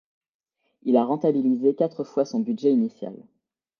Il a rentabilisé quatre fois son budget initial.